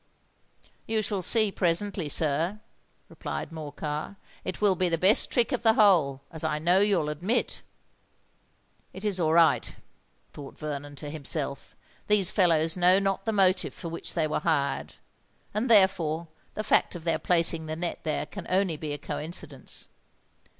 "You shall see presently, sir," replied Morcar. "It will be the best trick of the whole—as I know you'll admit." "It is all right," thought Vernon to himself. "These fellows know not the motive for which they were hired; and therefore the fact of their placing the net there can only be a coincidence.